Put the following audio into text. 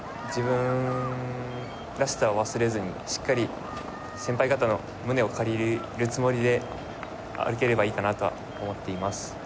自分らしさを忘れずにしっかり先輩方の胸を借りるつもりで歩ければいいかなと思っています。